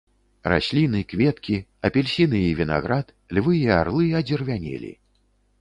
Расліны, кветкі, апельсіны і вінаград, львы і арлы адзеравянелі.